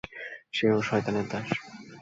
সেও শয়তানের দাস!